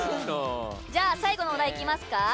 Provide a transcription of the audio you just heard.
最後のお題いきますか。